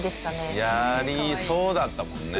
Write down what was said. やりそうだったもんね